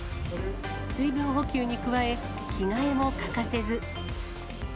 水分補給に加え、着替えも欠かせず。